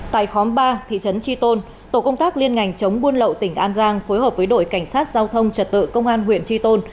tại khóm ba thị trấn tri tôn tổ công tác liên ngành chống buôn lậu tỉnh an giang phối hợp với đội cảnh sát giao thông trật tự công an huyện tri tôn